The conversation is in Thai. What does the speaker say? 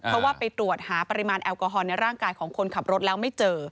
เพราะว่าไปตรวจหาปริมาณแอลกอฮอลในร่างกายของคนขับรถแล้วไม่เจอ